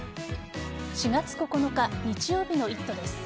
４月９日日曜日の「イット！」です。